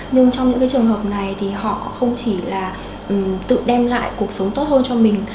nhưng trong những cái trường hợp này thì họ không chỉ là tự đem lại cuộc sống tốt hơn cho mình